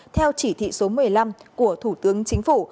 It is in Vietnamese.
theo chỉ thị số một mươi năm của thủ tướng chính phủ